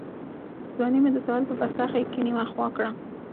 ځواني مي د ساحل په پسته غېږ کي نیمه خوا کړه